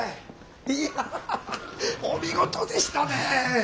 いやお見事でしたね。